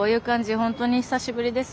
本当に久しぶりです。